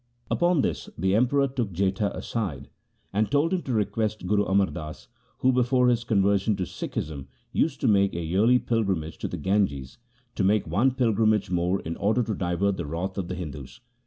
Upon this the Emperor took Jetha aside, and told him to request Guru Amar Das, who before his conversion to Sikhism used to make a yearly pilgrim age to the Ganges, to make one pilgrimage more in order to divert the wrath of the Hindus.